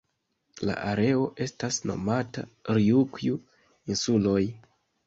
La areo estas nomata Rjukju-insuloj.